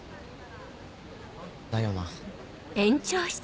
だよな。